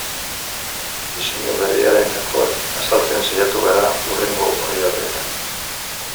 Diseinu berriaren gakoak azaltzen saiatu gara hurrengo orrialdeetan.